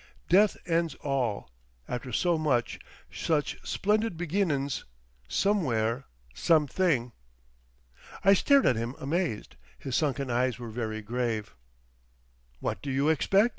"Death ends all. After so much—Such splendid beginnin's. Somewhere. Something." I stared at him amazed. His sunken eyes were very grave. "What do you expect?"